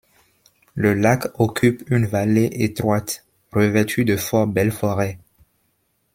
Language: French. Le lac occupe une vallée étroite revêtue de fort belles forêts.